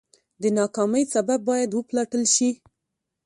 د ناکامۍ سبب باید وپلټل شي.